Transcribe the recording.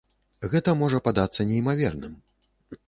Гэта можа падацца неймаверным.